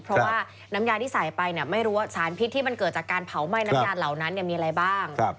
เพราะว่าน้ำยาที่ใส่ไปไม่รู้ว่าสารพิษที่มันเกิดจากการเผาไหม้น้ำยาเหล่านั้นมีอะไรบ้าง